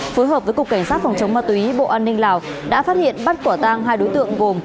phối hợp với cục cảnh sát phòng chống ma túy bộ an ninh lào đã phát hiện bắt quả tang hai đối tượng gồm